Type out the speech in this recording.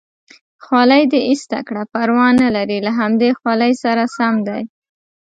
خولۍ دې ایسته کړه، پروا نه لري له همدې خولۍ سره سم دی.